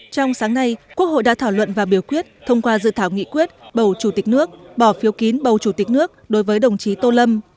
trong sáng nay quốc hội đã thảo luận và biểu quyết thông qua dự thảo nghị quyết bầu chủ tịch nước bỏ phiếu kín bầu chủ tịch nước đối với đồng chí tô lâm